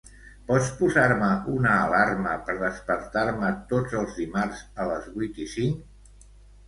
Pots posar una alarma per despertar-me tots els dimarts a les vuit i cinc?